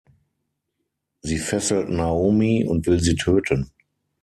Sie fesselt Naomi und will sie töten.